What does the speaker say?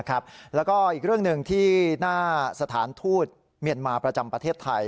แล้วก็อีกเรื่องหนึ่งที่หน้าสถานทูตเมียนมาประจำประเทศไทย